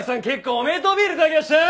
おめでとうビール頂きました！